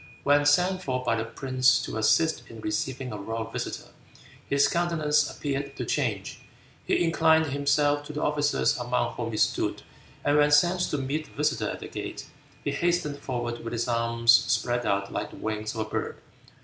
When sent for by the prince to assist in receiving a royal visitor, his countenance appeared to change. He inclined himself to the officers among whom he stood, and when sent to meet the visitor at the gate, "he hastened forward with his arms spread out like the wings of a bird."